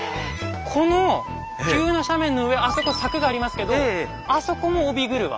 この急な斜面の上あそこ柵がありますけどあそこも帯曲輪？